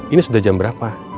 ini sudah jam berapa